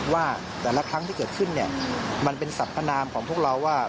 ว่าแต่ละครั้งที่เกิดขึ้นเนี่ยมันเป็นสัพพนามของพวกเราว่า